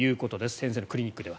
先生のクリニックでは。